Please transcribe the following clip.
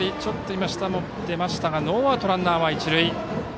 今、舌も出ましたがノーアウトランナー、一塁。